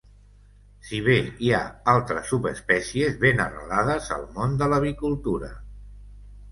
Si bé hi ha altres subespècies ben arrelades al món de l'avicultura.